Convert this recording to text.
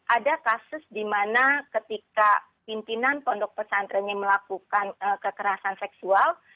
ada kasus di mana ketika pimpinan pondok pesantrennya melakukan kekerasan seksual